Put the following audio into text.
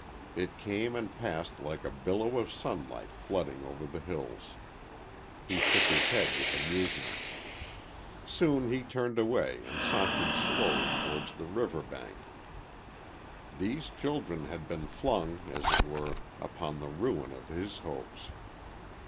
It came and passed like a billow of sunlight flooding over the hills. He shook his head with amusement. Soon he turned away and sauntered slowly towards the river bank. These, children had been flung, as it were, upon the ruin of his hopes.